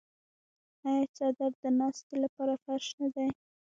آیا څادر د ناستې لپاره فرش نه دی؟